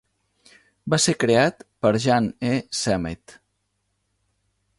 Va ser creat per Jean E. Sammet.